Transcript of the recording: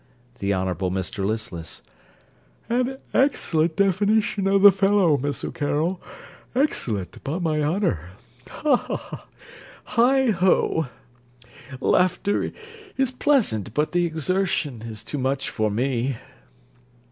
THE HONOURABLE MR LISTLESS An excellent definition of the fellow, Miss O'Carroll, excellent, upon my honour. Ha! ha! he! Heigho! Laughter is pleasant, but the exertion is too much for me.